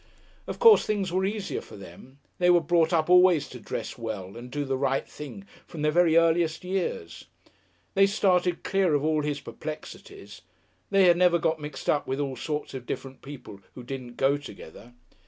Of course things were easier for them. They were brought up always to dress well and do the right thing from their very earliest years; they started clear of all his perplexities; they had never got mixed up with all sorts of different people who didn't go together.